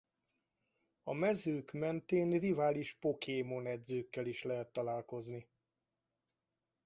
A mezők mentén rivális pokémon-edzőkkel is lehet találkozni.